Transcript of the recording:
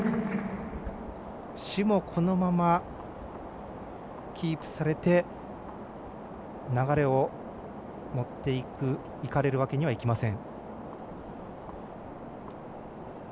朱もこのままキープされて流れを持っていかれるわけにはいきません。